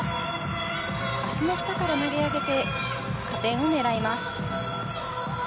足の下から投げ上げて加点を狙います。